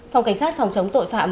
phòng cảnh sát phòng chống tội phạm